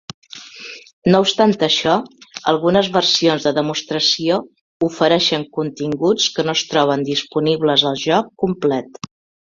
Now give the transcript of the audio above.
No obstant això, algunes versions de demostració ofereixen continguts que no es troben disponibles al joc complet.